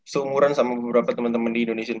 seumuran sama beberapa temen temen di indonesia